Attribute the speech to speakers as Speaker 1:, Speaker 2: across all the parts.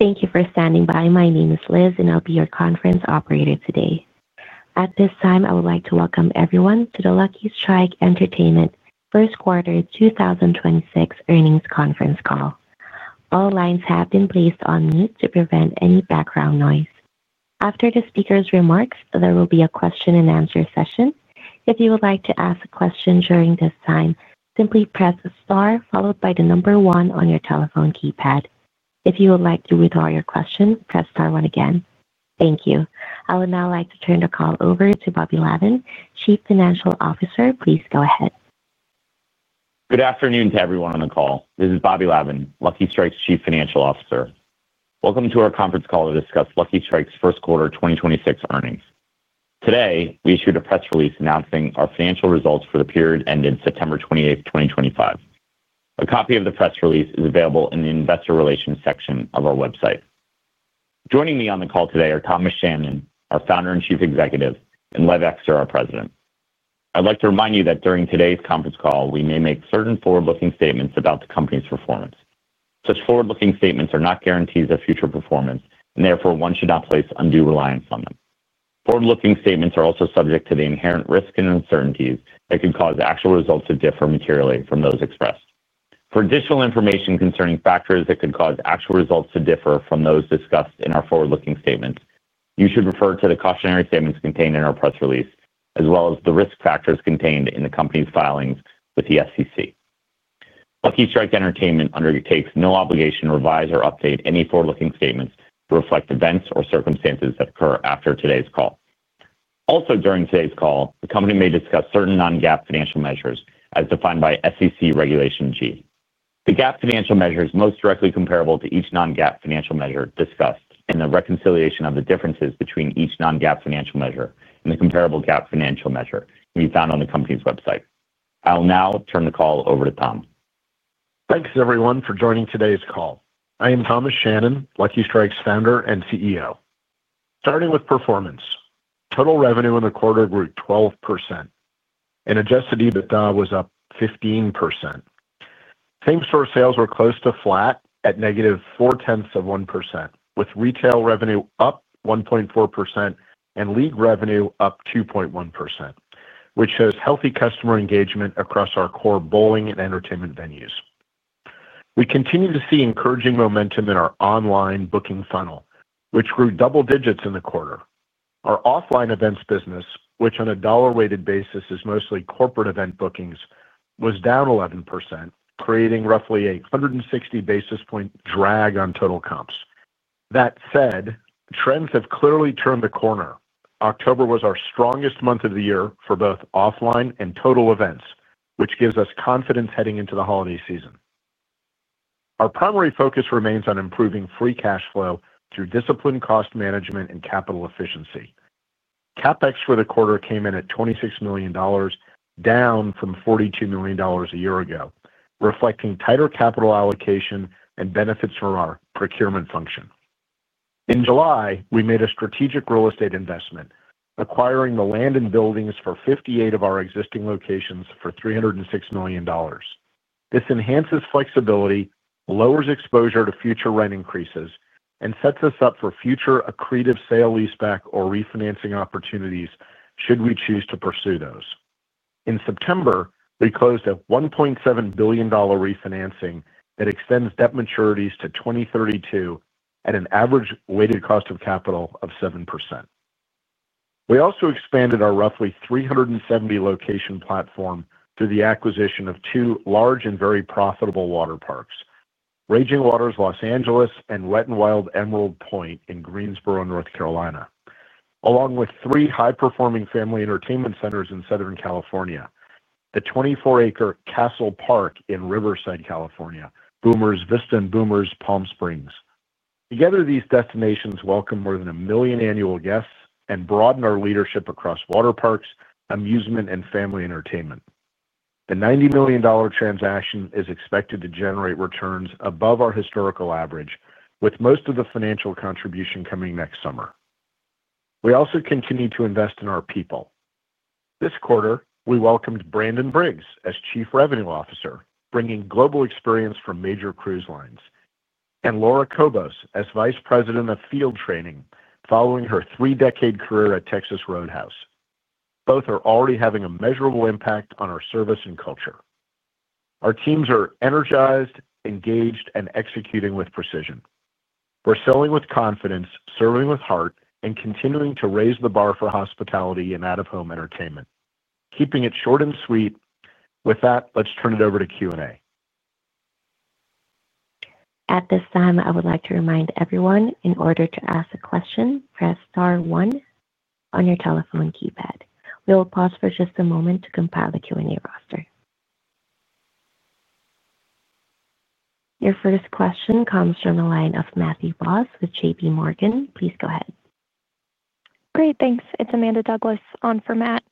Speaker 1: Thank you for standing by. My name is Liz, and I'll be your conference operator today. At this time, I would like to welcome everyone to the Lucky Strike Entertainment Q1 2026 Earnings Conference Call. All lines have been placed on mute to prevent any background noise. After the speaker's remarks, there will be a Q&A session. If you would like to ask a question during this time, simply press star followed by the number one on your telephone keypad. If you would like to withdraw your question, press star one again. Thank you. I would now like to turn the call over to Bobby Lavan, Chief Financial Officer. Please go ahead.
Speaker 2: Good afternoon to everyone on the call. This is Bobby Lavan, Lucky Strike's Chief Financial Officer. Welcome to our conference call to discuss Lucky Strike's Q1 2026 earnings. Today, we issued a press release announcing our financial results for the period ending September 28, 2025. A copy of the press release is available in the Investor Relations section of our website. Joining me on the call today are Thomas Shannon, our founder and Chief Executive, and Lev Ekster, our president. I'd like to remind you that during today's conference call, we may make certain forward-looking statements about the company's performance. Such forward-looking statements are not guarantees of future performance, and therefore, one should not place undue reliance on them. Forward-looking statements are also subject to the inherent risk and uncertainties that can cause actual results to differ materially from those expressed. For additional information concerning factors that could cause actual results to differ from those discussed in our forward-looking statements, you should refer to the cautionary statements contained in our press release, as well as the risk factors contained in the company's filings with the SEC. Lucky Strike Entertainment undertakes no obligation to revise or update any forward-looking statements to reflect events or circumstances that occur after today's call. Also, during today's call, the company may discuss certain non-GAAP financial measures as defined by SEC Regulation G. The GAAP financial measures most directly comparable to each non-GAAP financial measure discussed and the reconciliation of the differences between each non-GAAP financial measure and the comparable GAAP financial measure can be found on the company's website. I will now turn the call over to Tom.
Speaker 3: Thanks, everyone, for joining today's call. I am Thomas Shannon, Lucky Strike's founder and CEO. Starting with performance, total revenue in the quarter grew 12%. And adjusted EBITDA was up 15%. Same-store sales were close to flat at -0.4%, with retail revenue up 1.4% and league revenue up 2.1%, which shows healthy customer engagement across our core bowling and entertainment venues. We continue to see encouraging momentum in our online booking funnel, which grew double-digits in the quarter. Our offline events business, which on a dollar-weighted basis is mostly corporate event bookings, was down 11%, creating roughly a 160 basis point drag on total comps. That said, trends have clearly turned the corner. October was our strongest month of the year for both offline and total events, which gives us confidence heading into the holiday season. Our primary focus remains on improving free cash flow through disciplined cost management and capital efficiency. CapEx for the quarter came in at $26 million, down from $42 million a year ago, reflecting tighter capital allocation and benefits from our procurement function. In July, we made a strategic real estate investment, acquiring the land and buildings for 58 of our existing locations for $306 million. This enhances flexibility, lowers exposure to future rent increases, and sets us up for future accretive sale leaseback or refinancing opportunities should we choose to pursue those. In September, we closed a $1.7 billion refinancing that extends debt maturities to 2032 at an average weighted cost of capital of 7%. We also expanded our roughly 370-location platform through the acquisition of two large and very profitable water parks: Raging Waters Los Angeles and Wet 'n Wild Emerald Pointe in Greensboro, North Carolina, along with three high-performing family entertainment centers in Southern California: the 24-acre Castle Park in Riverside, California, Boomers! Vista and Boomers! Palm Springs. Together, these destinations welcome more than a million annual guests and broaden our leadership across water parks, amusement, and family entertainment. The $90 million transaction is expected to generate returns above our historical average, with most of the financial contribution coming next summer. We also continue to invest in our people. This quarter, we welcomed Brandon Briggs as Chief Revenue Officer, bringing global experience from major cruise lines, and Laura Kobos as Vice President of Field Training following her three-decade career at Texas Roadhouse. Both are already having a measurable impact on our service and culture. Our teams are energized, engaged, and executing with precision. We're selling with confidence, serving with heart, and continuing to raise the bar for hospitality and out-of-home entertainment, keeping it short and sweet. With that, let's turn it over to Q&A.
Speaker 1: At this time, I would like to remind everyone, in order to ask a question, press star one on your telephone keypad. We will pause for just a moment to compile the Q&A roster. Your first question comes from the line of Matthew Voss with J.P. Morgan. Please go ahead.
Speaker 4: Great. Thanks. It's Amanda Douglas on for Matt.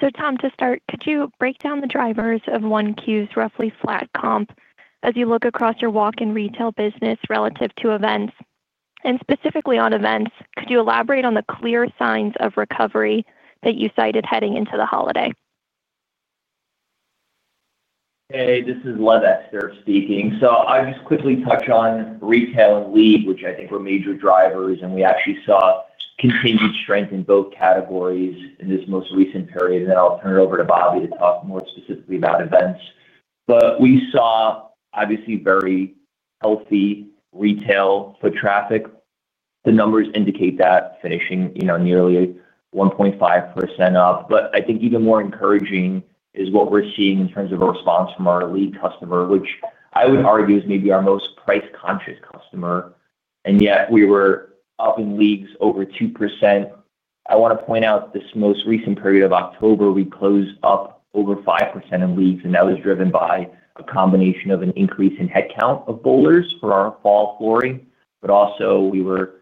Speaker 4: So, Tom, to start, could you break down the drivers of Q1's roughly flat comp as you look across your walk-in retail business relative to events? And specifically on events, could you elaborate on the clear signs of recovery that you cited heading into the holiday?
Speaker 5: Hey, this is Lev Ekster speaking. So I'll just quickly touch on retail and league, which I think were major drivers. And we actually saw continued strength in both categories in this most recent period. And then I'll turn it over to Bobby to talk more specifically about events. But we saw, obviously, very healthy retail foot traffic. The numbers indicate that, finishing nearly 1.5% up. But I think even more encouraging is what we're seeing in terms of a response from our league customer, which I would argue is maybe our most price-conscious customer. And yet, we were up in leagues over 2%. I want to point out this most recent period of October, we closed up over 5% in leagues. And that was driven by a combination of an increase in headcount of bowlers for our fall leagues. But also, we were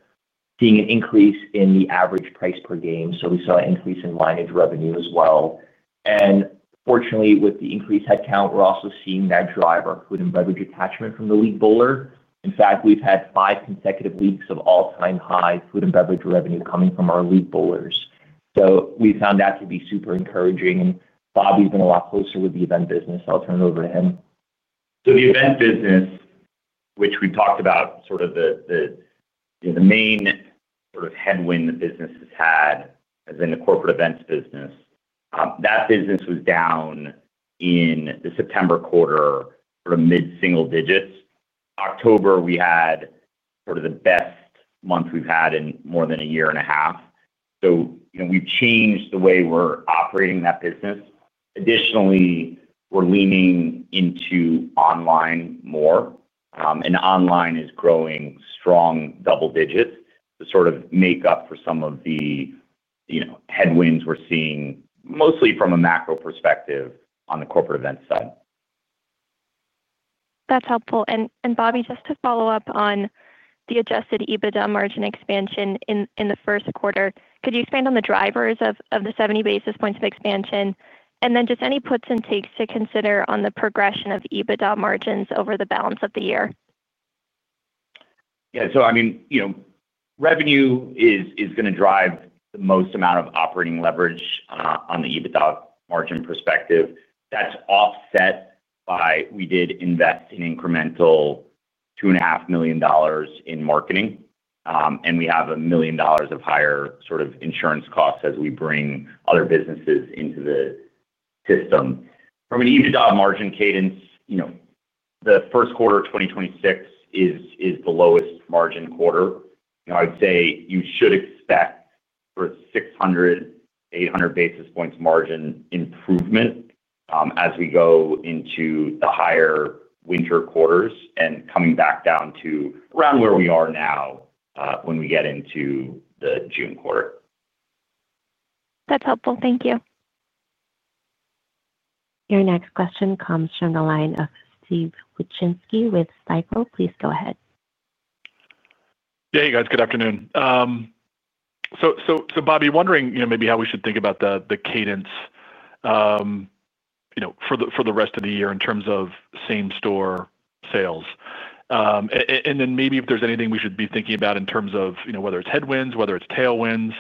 Speaker 5: seeing an increase in the average price per game. So we saw an increase in lineage revenue as well. And fortunately, with the increased headcount, we're also seeing that drive our food and beverage attachment from the league bowler. In fact, we've had five consecutive weeks of all-time high food and beverage revenue coming from our league bowlers. So we found that to be super encouraging. And Bobby's been a lot closer with the event business. I'll turn it over to him.
Speaker 2: So the event business, which we've talked about, sort of the main headwind the business has had has been the corporate events business. That business was down in the September quarter, sort of mid-single-digits. October, we had sort of the best month we've had in more than a year and a half. So we've changed the way we're operating that business. Additionally, we're leaning into online more. And online is growing strong double-digits to sort of make up for some of the headwinds we're seeing, mostly from a macro perspective on the corporate events side.
Speaker 4: That's helpful. And Bobby, just to follow up on the Adjusted EBITDA margin expansion in the Q1, could you expand on the drivers of the 70 basis points of expansion? And then just any puts and takes to consider on the progression of EBITDA margins over the balance of the year?
Speaker 2: Yeah. So, I mean. Revenue is going to drive the most amount of operating leverage on the EBITDA margin perspective. That's offset by we did invest an incremental $2.5 million in marketing. And we have a million dollars of higher sort of insurance costs as we bring other businesses into the system. From an EBITDA margin cadence. The Q1 of 2026 is the lowest margin quarter. I would say you should expect sort of 600-800 basis points margin improvement. As we go into the higher winter quarters and coming back down to around where we are now. When we get into the June quarter.
Speaker 4: That's helpful. Thank you.
Speaker 1: Your next question comes from the line of Steve Wroczynski with SITECO. Please go ahead.
Speaker 6: Yeah, you guys, good afternoon. So, Bobby, wondering maybe how we should think about the cadence for the rest of the year in terms of same-store sales. And then maybe if there's anything we should be thinking about in terms of whether it's head-winds, whether it's tail-winds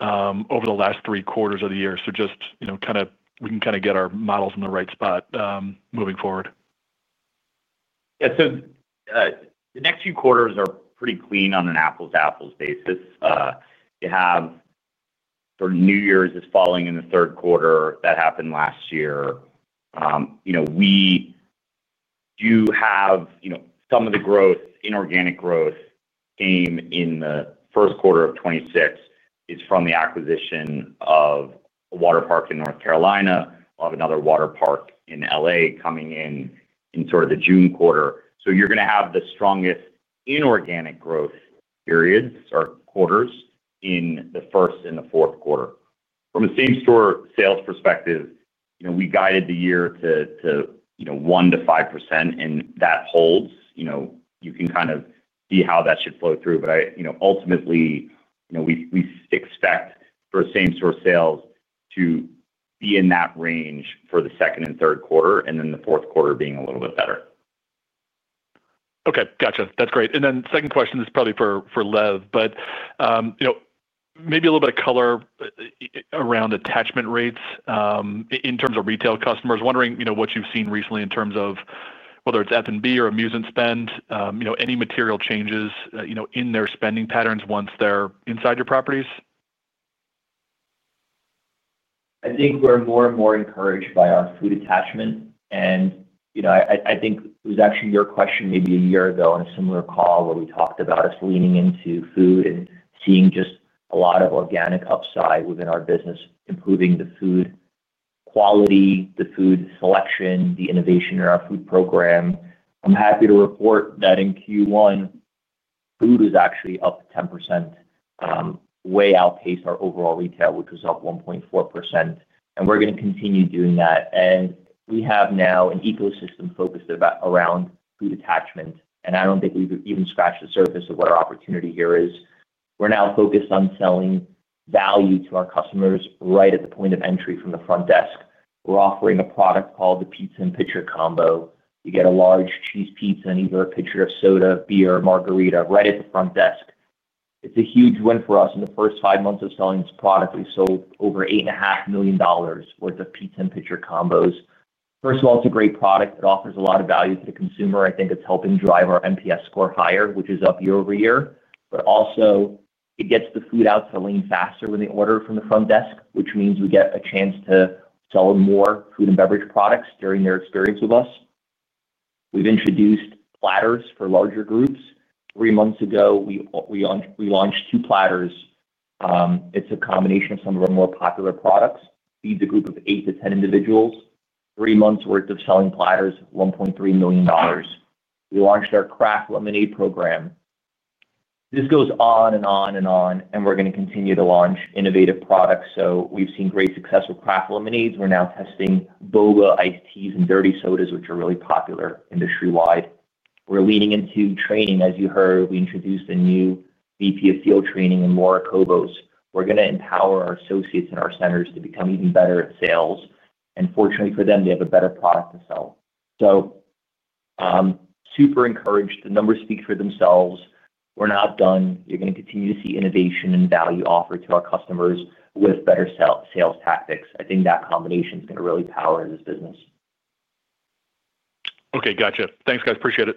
Speaker 6: over the last three quarters of the year. So just kind of we can kind of get our models in the right spot moving forward.
Speaker 2: Yeah. So the next few quarters are pretty clean on an apples-to-apples basis. You have sort of New Year's falling in the Q3. That happened last year. We do have some of the growth, inorganic growth came in the Q1 of 2026 is from the acquisition of a water park in North Carolina. We'll have another water park in LA coming in in sort of the June quarter. So you're going to have the strongest inorganic growth periods or quarters in the first and the Q4. From a same-store sales perspective, we guided the year to 1%-5%, and that holds. You can kind of see how that should flow through, but ultimately we expect for same-store sales to be in that range for the second and Q3, and then the Q4 being a little bit better.
Speaker 6: Okay. Gotcha. That's great. And then second question is probably for Lev, but maybe a little bit of color around attachment rates. In terms of retail customers, wondering what you've seen recently in terms of whether it's F&B or amusement spend, any material changes in their spending patterns once they're inside your properties?
Speaker 5: I think we're more and more encouraged by our food attachment. I think it was actually your question maybe a year ago on a similar call where we talked about us leaning into food and seeing just a lot of organic upside within our business, improving the food quality, the food selection, the innovation in our food program. I'm happy to report that in Q1, food was actually up 10%. Way outpaced our overall retail, which was up 1.4%. We're going to continue doing that. We have now an ecosystem focused around food attachment. I don't think we've even scratched the surface of what our opportunity here is. We're now focused on selling value to our customers right at the point of entry from the front desk. We're offering a product called the Pizza and Pitcher combo. You get a large cheese pizza and either a pitcher of soda, beer, or margarita right at the front desk. It's a huge win for us. In the first five months of selling this product, we sold over $8.5 million worth of Pizza and Pitcher combos. First of all, it's a great product. It offers a lot of value to the consumer. I think it's helping drive our MPS score higher, which is up year-over-year. But also, it gets the food out to lane faster when they order from the front desk, which means we get a chance to sell more food and beverage products during their experience with us. We've introduced platters for larger groups. Three months ago, we launched two platters. It's a combination of some of our more popular products. Feeds a group of eight-ten individuals. Three months' worth of selling platters, $1.3 million. We launched our craft lemonade program. This goes on and on and on, and we're going to continue to launch innovative products. We've seen great success with craft lemonades. We're now testing boba, iced teas, and dirty sodas, which are really popular industry-wide. We're leaning into training. As you heard, we introduced a new VP of Field Training in Laura Kobos. We're going to empower our associates and our centers to become even better at sales. Fortunately for them, they have a better product to sell. Super encouraged. The numbers speak for themselves. We're not done. You're going to continue to see innovation and value offered to our customers with better sales tactics. I think that combination is going to really power this business.
Speaker 6: Okay. Gotcha. Thanks, guys. Appreciate it.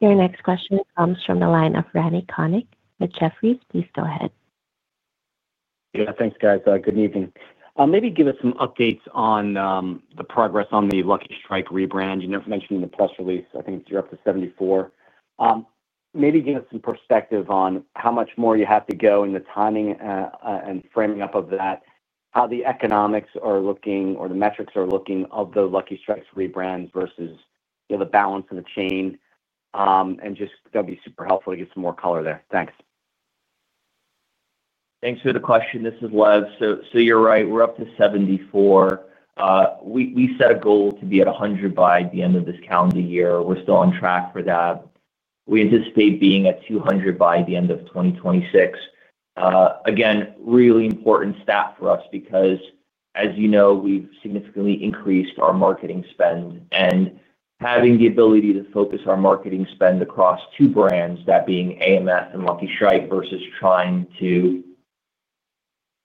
Speaker 1: Your next question comes from the line of Randy Konik with Jefferies. Please go ahead.
Speaker 7: Yeah. Thanks, guys. Good evening. Maybe give us some updates on the progress on the Lucky Strike rebrand. You mentioned in the press release, I think you're up to 74. Maybe give us some perspective on how much more you have to go in the timing and framing up of that, how the economics are looking or the metrics are looking of the Lucky Strikes rebrand versus the balance of the chain. And just that would be super helpful to get some more color there. Thanks.
Speaker 5: Thanks for the question. This is Lev. So you're right. We're up to 74. We set a goal to be at 100 by the end of this calendar year. We're still on track for that. We anticipate being at 200 by the end of 2026. Again, really important stat for us because, as you know, we've significantly increased our marketing spend. And having the ability to focus our marketing spend across two brands, that being AMF and Lucky Strike versus trying to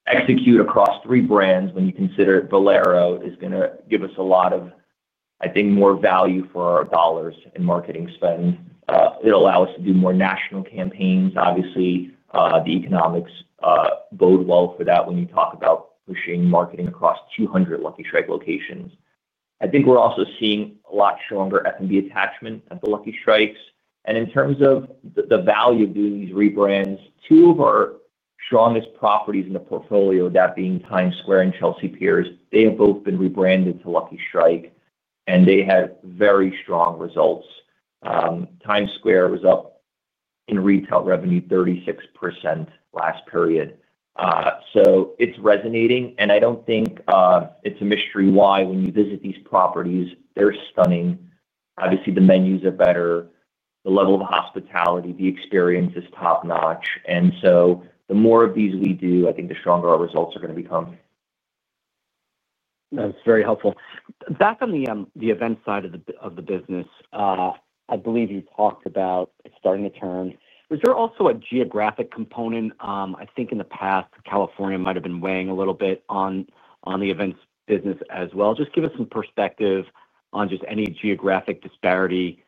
Speaker 5: execute across three brands when you consider Valero is going to give us a lot of, I think, more value for our dollars in marketing spend. It'll allow us to do more national campaigns. Obviously, the economics bode well for that when you talk about pushing marketing across 200 Lucky Strike locations. I think we're also seeing a lot stronger F&B attachment at the Lucky Strikes. And in terms of the value of doing these rebrands, two of our strongest properties in the portfolio, that being Times Square and Chelsea Piers, they have both been rebranded to Lucky Strike, and they have very strong results. Times Square was up in retail revenue 36% last period. So it's resonating. And I don't think it's a mystery why when you visit these properties, they're stunning. Obviously, the menus are better. The level of hospitality, the experience is top-notch. And so the more of these we do, I think the stronger our results are going to become.
Speaker 7: That's very helpful. Back on the event side of the business. I believe you talked about it starting to turn. Was there also a geographic component? I think in the past, California might have been weighing a little bit on the events business as well. Just give us some perspective on just any geographic disparity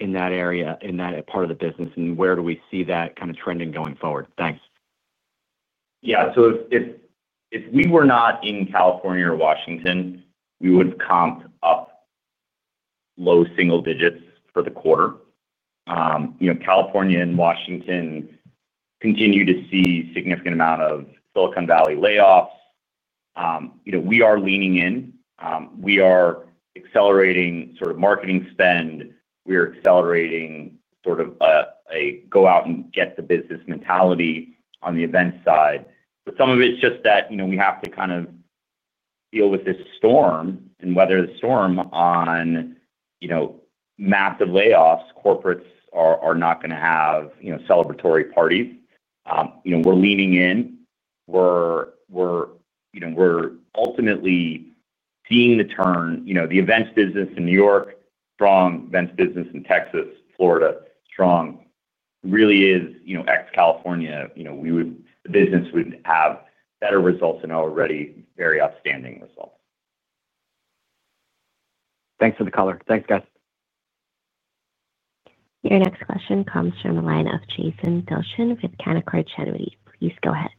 Speaker 7: in that area, in that part of the business, and where do we see that kind of trending going forward? Thanks.
Speaker 5: Yeah. So. If we were not in California or Washington, we would comp up. Low-single-digits for the quarter. California and Washington continue to see a significant amount of Silicon Valley layoffs. We are leaning in. We are accelerating sort of marketing spend. We are accelerating sort of a go out and get the business mentality on the event side. But some of it's just that we have to kind of deal with this storm and weather the storm on massive layoffs. Corporates are not going to have celebratory parties. We're leaning in. We're ultimately seeing the turn. The events business in New York, strong events business in Texas, Florida, strong. Really is ex-California. The business would have better results and already very outstanding results.
Speaker 7: Thanks for the color. Thanks, guys.
Speaker 1: Your next question comes from the line of [Jason Bilshen with Cantor Fitzgerald]. Please go ahead.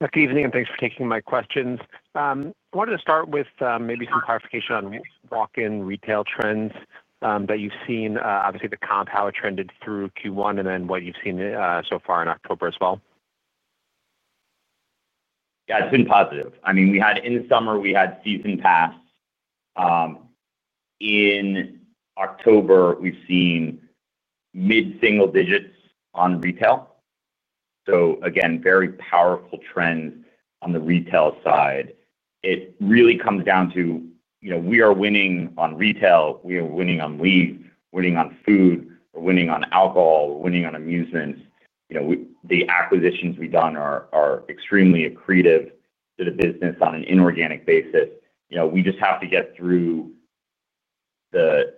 Speaker 1: Good evening and thanks for taking my questions. I wanted to start with maybe some clarification on walk-in retail trends that you've seen. Obviously, the comps, how it trended through Q1 and then what you've seen so far in October as well?
Speaker 5: Yeah. It's been positive. I mean, we had in the summer, we had season pass. In October, we've seen mid-single-digits on retail. So again, very powerful trends on the retail side. It really comes down to we are winning on retail. We are winning on league, winning on food, we're winning on alcohol, we're winning on amusements. The acquisitions we've done are extremely accretive to the business on an inorganic basis. We just have to get through the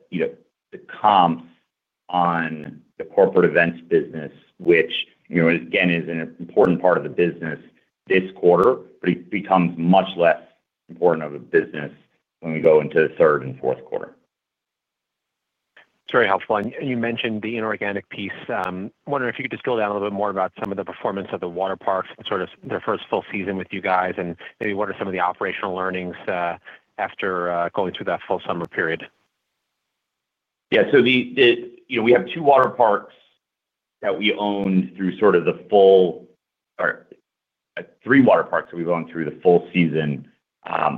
Speaker 5: comps on the corporate events business, which, again, is an important part of the business this quarter, but it becomes much less important of a business when we go into the Q3 and Q4. It's very helpful. And you mentioned the inorganic piece. I'm wondering if you could just go down a little bit more about some of the performance of the water parks and sort of their first full season with you guys and maybe what are some of the operational learnings after going through that full summer period. Yeah. So. We have two water parks that we owned through sort of the full. Three water parks that we've owned through the full season.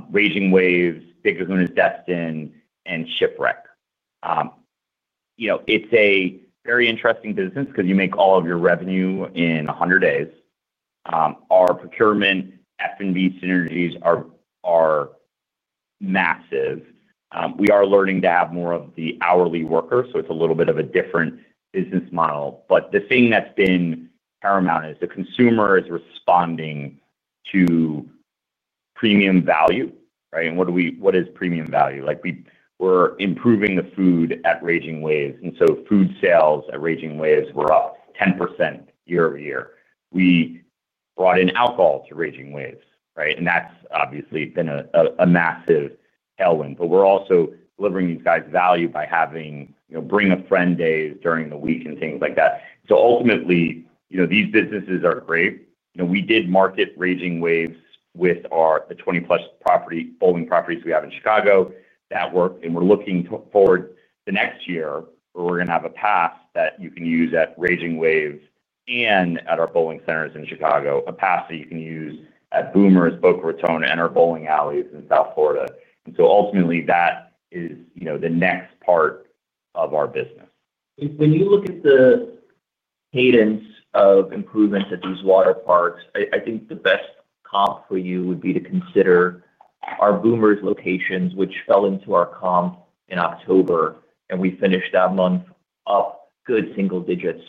Speaker 5: Raging Waters, Big Lagoon of Destin, and Shipwreck. It's a very interesting business because you make all of your revenue in 100 days. Our procurement F&B synergies are massive. We are learning to have more of the hourly worker, so it's a little bit of a different business model. But the thing that's been paramount is the consumer is responding to premium value, right? And what is premium value? We're improving the food at Raging Waters. And so food sales at Raging Waters were up 10% year-over-year. We brought in alcohol to Raging Waters, right? And that's obviously been a massive tail-wind. But we're also delivering these guys value by having bring-a-friend days during the week and things like that. So ultimately, these businesses are great. We did market Raging Waters with the 20-plus bowling properties we have in Chicago. That worked. And we're looking forward to the next year where we're going to have a pass that you can use at Raging Waters and at our bowling centers in Chicago, a pass that you can use at Boomers, Boca Raton, and our bowling alleys in South Florida. And so ultimately, that is the next part of our business. When you look at the cadence of improvements at these water parks, I think the best comp for you would be to consider our Boomers locations, which fell into our comp in October, and we finished that month up good single-digits.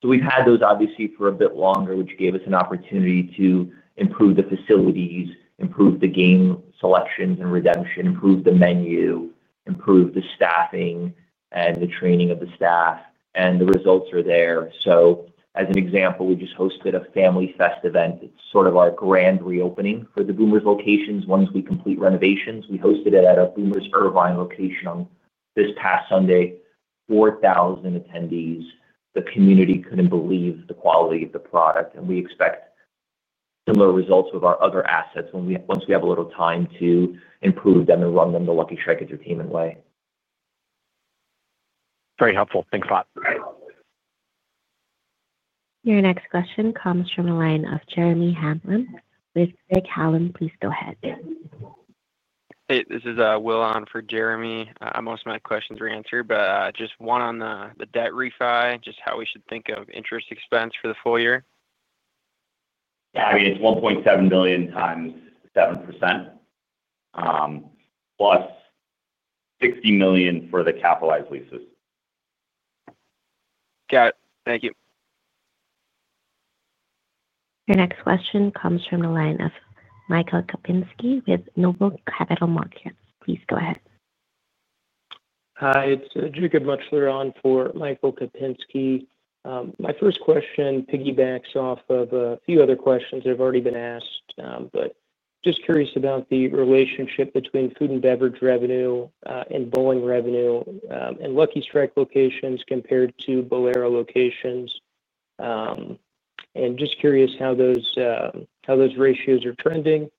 Speaker 5: So we've had those obviously for a bit longer, which gave us an opportunity to improve the facilities, improve the game selections and redemption, improve the menu, improve the staffing, and the training of the staff. And the results are there. So as an example, we just hosted a family fest event. It's sort of our grand reopening for the Boomers locations. Once we complete renovations, we hosted it at our Boomers Irvine location on this past Sunday. 4,000 attendees. The community couldn't believe the quality of the product. And we expect similar results with our other assets once we have a little time to improve them and run them the Lucky Strike Entertainment way. Very helpful. Thanks a lot.
Speaker 1: Your next question comes from the line of Jeremy Hamlin with Craig-Hallum. Please go ahead.
Speaker 8: Hey, this is Will on for Jeremy. Most of my questions were answered, but just one on the debt refi, just how we should think of interest expense for the full year.
Speaker 5: Yeah. I mean, it's $1.7 million times 7%. Plus $60 million for the capitalized leases.
Speaker 8: Got it. Thank you.
Speaker 1: Your next question comes from the line of Michael Kapinski with Noble Capital Markets. Please go ahead.
Speaker 9: Hi. It's Jacob Muchler on for Michael Kapinski. My first question piggybacks off of a few other questions that have already been asked, but just curious about the relationship between food and beverage revenue and bowling revenue and Lucky Strike locations compared to Valero locations. And just curious how those ratios are trending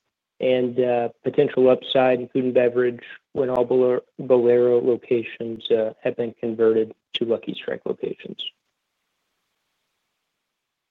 Speaker 9: and potential upside in food and beverage when all Valero locations have been converted to Lucky Strike locations.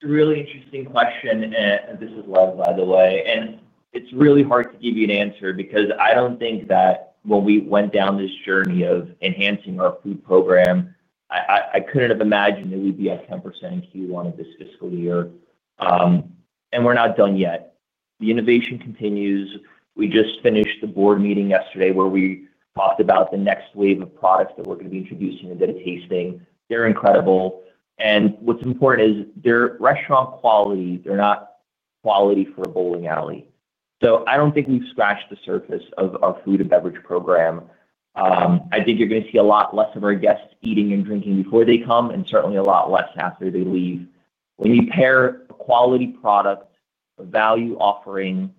Speaker 5: Really interesting question. And this is Lev, by the way. And it's really hard to give you an answer because I don't think that when we went down this journey of enhancing our food program. I couldn't have imagined that we'd be at 10% in Q1 of this fiscal year. And we're not done yet. The innovation continues. We just finished the board meeting yesterday where we talked about the next wave of products that we're going to be introducing into the testing. They're incredible. And what's important is their restaurant quality. They're not quality for a bowling alley. So I don't think we've scratched the surface of our food and beverage program. I think you're going to see a lot less of our guests eating and drinking before they come and certainly a lot less after they leave. When you pair a quality product, a value offering.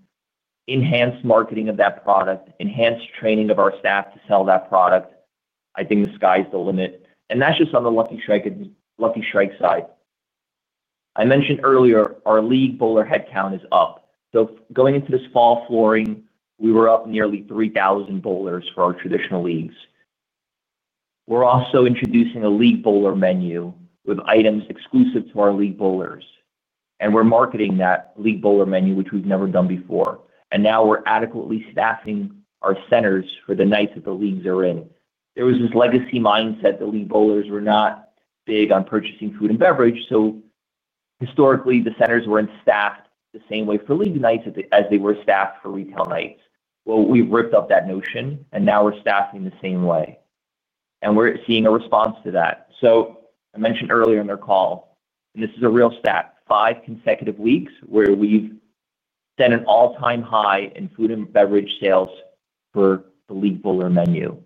Speaker 5: Enhanced marketing of that product, enhanced training of our staff to sell that product, I think the sky's the limit. And that's just on the Lucky Strike side. I mentioned earlier, our league bowler headcount is up. So going into this fall season, we were up nearly 3,000 bowlers for our traditional leagues. We're also introducing a league bowler menu with items exclusive to our league bowlers. And we're marketing that league bowler menu, which we've never done before. And now we're adequately staffing our centers for the nights that the leagues are in. There was this legacy mindset that league bowlers were not big on purchasing food and beverage. So. Historically, the centers were staffed the same way for league nights as they were staffed for retail nights. Well, we've ripped up that notion, and now we're staffing the same way. And we're seeing a response to that. So I mentioned earlier in our call, and this is a real stat, five consecutive weeks where we've set an all-time high in food and beverage sales for the league bowler menu.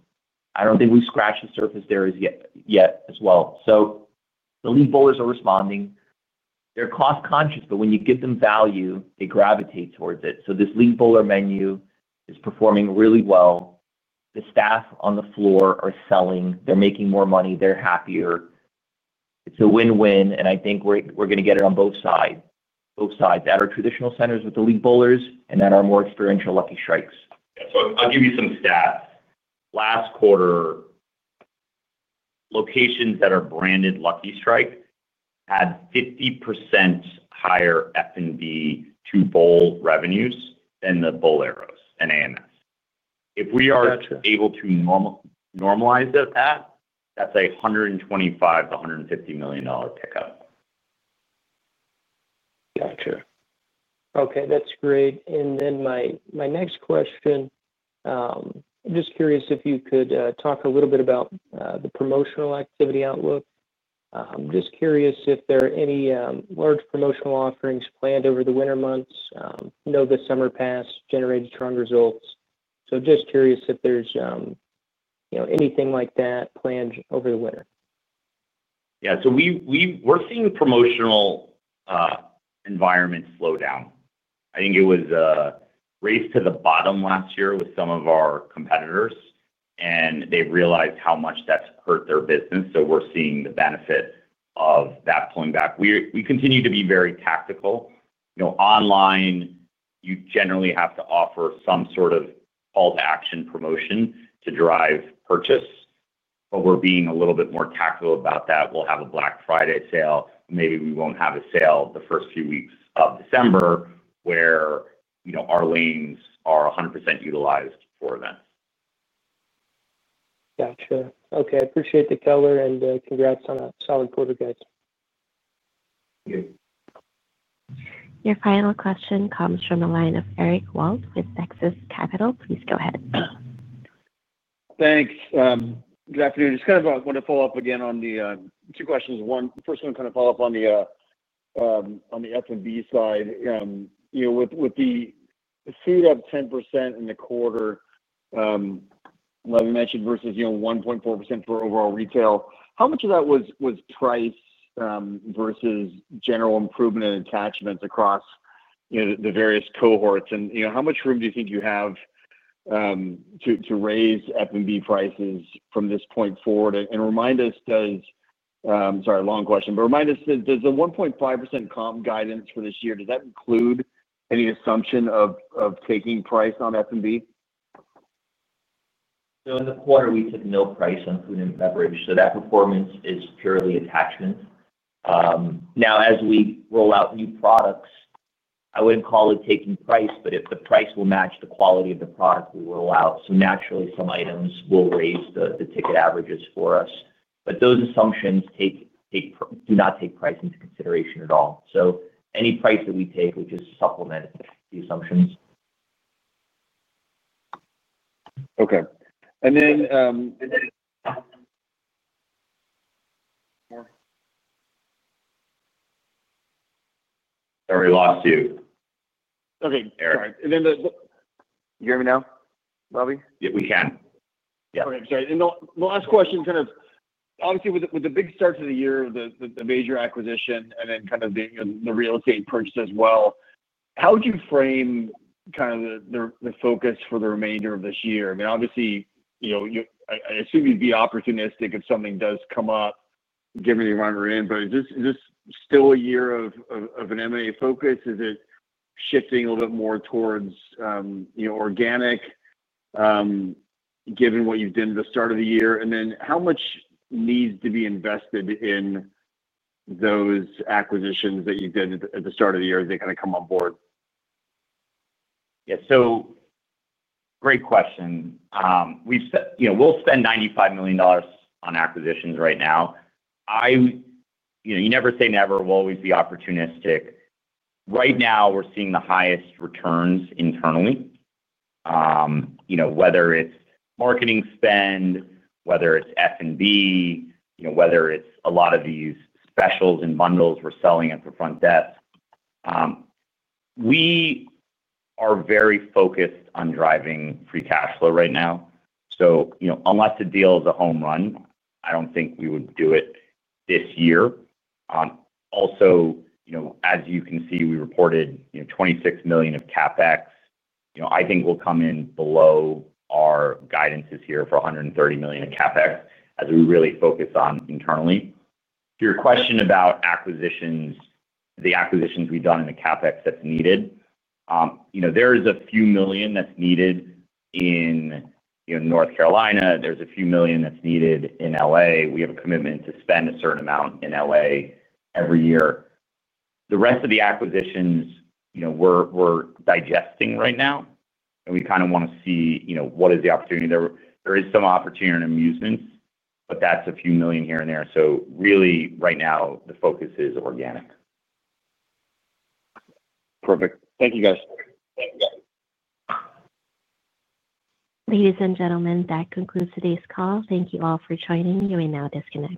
Speaker 5: I don't think we've scratched the surface there as yet as well. So the league bowlers are responding. They're cost-conscious, but when you give them value, they gravitate towards it. So this league bowler menu is performing really well. The staff on the floor are selling. They're making more money. They're happier. It's a win-win. And I think we're going to get it on both sides. Both sides. That are traditional centers with the league bowlers and that are more experiential Lucky Strikes. Yeah. So I'll give you some stats. Last quarter. Locations that are branded Lucky Strike had 50% higher F&B to bowl revenues than the Bowlero and AMF. If we are able to normalize that, that's a $125-$150 million pickup.
Speaker 9: Gotcha. Okay. That's great. And then my next question. I'm just curious if you could talk a little bit about the promotional activity outlook. I'm just curious if there are any large promotional offerings planned over the winter months. I know the summer pass generated strong results. So just curious if there's anything like that planned over the winter.
Speaker 5: Yeah. So we're seeing promotional environment slow down. I think it was a race to the bottom last year with some of our competitors, and they've realized how much that's hurt their business. So we're seeing the benefit of that pulling back. We continue to be very tactical. Online, you generally have to offer some sort of call-to-action promotion to drive purchase. But we're being a little bit more tactical about that. We'll have a Black Friday sale. Maybe we won't have a sale the first few weeks of December where our lanes are 100% utilized for events.
Speaker 9: Gotcha. Okay. I appreciate the color and congrats on a solid quarter, guys.
Speaker 5: Thank you.
Speaker 1: Your final question comes from the line of Eric Wold with Texas Capital. Please go ahead.
Speaker 10: Thanks. Good afternoon. Just kind of want to follow up again on the two questions. The first one kind of follow-up on the F&B side. With the growth of 10% in the quarter. Lev mentioned versus 1.4% for overall retail, how much of that was price versus general improvement and attachments across the various cohorts? And how much room do you think you have to raise F&B prices from this point forward? And remind us, does, sorry, long question, but remind us, does the 1.5% comp guidance for this year, does that include any assumption of taking price on F&B?
Speaker 5: So in the quarter, we took no price on food and beverage. So that performance is purely attachments. Now, as we roll out new products, I wouldn't call it taking price, but if the price will match the quality of the product we roll out, so naturally, some items will raise the ticket averages for us. But those assumptions do not take price into consideration at all. So any price that we take, we just supplement the assumptions.
Speaker 10: Okay, and then.
Speaker 5: Sorry, we lost you.
Speaker 10: Okay. Sorry, and then the... You hear me now, Bobby?
Speaker 2: Yeah, we can. Yeah.
Speaker 10: Okay. I'm sorry. And the last question, kind of obviously, with the big start to the year, the major acquisition, and then kind of the real estate purchase as well, how would you frame kind of the focus for the remainder of this year? I mean, obviously, I assume you'd be opportunistic if something does come up, given your environment, but is this still a year of an M&A focus? Is it shifting a little bit more towards organic, given what you've done at the start of the year? And then how much needs to be invested in those acquisitions that you did at the start of the year as they kind of come on board?
Speaker 2: Yeah. So. Great question. We'll spend $95 million on acquisitions right now. You never say never. We'll always be opportunistic. Right now, we're seeing the highest returns internally, whether it's marketing spend, whether it's F&B, whether it's a lot of these specials and bundles we're selling at the front desk. We are very focused on driving free cash flow right now. So unless a deal is a home run, I don't think we would do it this year. Also, as you can see, we reported $26 million of CapEx. I think we'll come in below our guidances here for $130 million of CapEx as we really focus on internally. To your question about acquisitions, the acquisitions we've done in the CapEx that's needed. There is a few million that's needed in North Carolina. There's a few million that's needed in LA. We have a commitment to spend a certain amount in LA every year. The rest of the acquisitions. We're digesting right now. And we kind of want to see what is the opportunity. There is some opportunity in amusements, but that's a few million here and there. So really, right now, the focus is organic.
Speaker 10: Perfect. Thank you, guys.
Speaker 5: Thank you, guys.
Speaker 1: Ladies and gentlemen, that concludes today's call. Thank you all for joining. You may now disconnect.